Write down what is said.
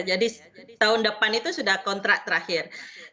jadi tahun depan itu sudah kontrak terakhir